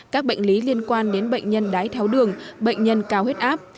các bệnh lý liên quan đến bệnh nhân đái tháo đường bệnh nhân cao huyết áp